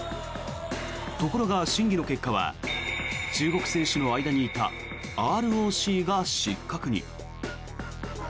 ところが審議の結果は中国選手の間にいたＲＯＣ選手が失格に。